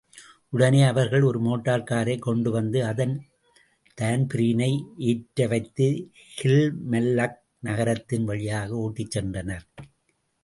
உடனே அவர்கள் ஒரு மோட்டார் காரைக் கொண்டுவந்து அதில்தான்பிரீனை ஏற்று வைத்து கில்மல்லக் நகரத்தின் வழியாக ஓட்டிச் சென்றனர்.